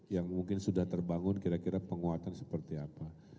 yang mungkin sudah terbangun kira kira penguatan seperti apa